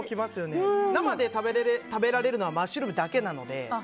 生で食べられるのはマッシュルームだけなので。